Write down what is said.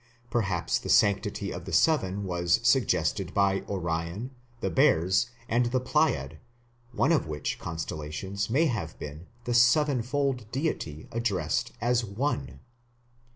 Perhaps the sanctity of Seven was suggested by Orion, the Bears, and the Pleiad, one of which constellations may have been the "Sevenfold" deity addressed as "one".